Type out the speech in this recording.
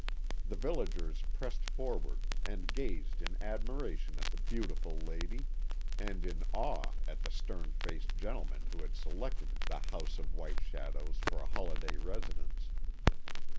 The villagers pressed forward, and gazed in admiration at the beautiful lady, and in awe at the stern faced gentleman who had selected the House of White Shadows for a holiday residence.